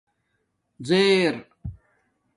زہر